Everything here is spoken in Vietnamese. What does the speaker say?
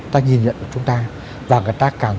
ta nhìn nhận chúng ta và người ta càng